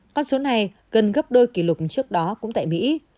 con số này gần gấp đôi kỷ lục trước đó cũng tại mỹ